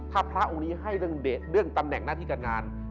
ถ้าพระองค์นี้ให้เรื่องเดทเรื่องตำแหน่งหน้าที่การงาน